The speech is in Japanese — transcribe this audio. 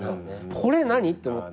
これ何？って思って。